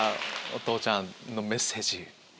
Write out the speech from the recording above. お父ちゃんのメッセージ。